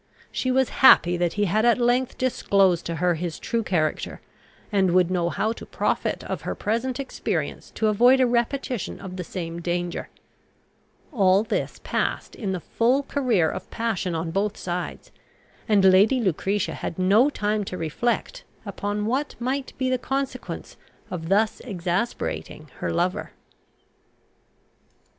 She was happy that he had at length disclosed to her his true character, and would know how to profit of her present experience to avoid a repetition of the same danger. All this passed in the full career of passion on both sides, and Lady Lucretia had no time to reflect upon what might be the consequence of thus exasperating her lover.